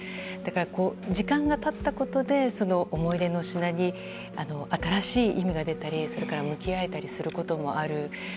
だから、時間が経ったことで思い出の品に新しい意味が出たり向き合えたりすることもある。